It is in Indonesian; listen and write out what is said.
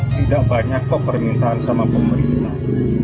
tidak banyak kok permintaan sama pemerintah